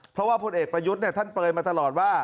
เพราะว่าพลเอกประยุทธ์ท่านเปลยมาตลอดว่า